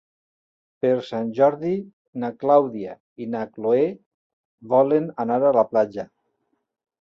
Per Sant Jordi na Clàudia i na Cloè volen anar a la platja.